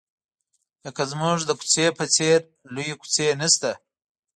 لکه زموږ د کوڅې په څېر لویې کوڅې نشته.